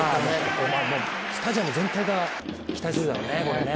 スタジアム全体が期待するだろうね、これね。